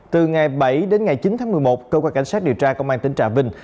từ ngày bảy đến ngày chín tháng một mươi một cơ quan cảnh sát điều tra công an tỉnh trà vinh